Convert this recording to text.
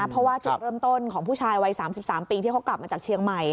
เพราะว่าจุดเริ่มต้นของผู้ชายวัย๓๓ปีที่เขากลับมาจากเชียงใหม่